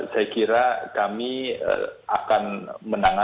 saya kira kami akan menangani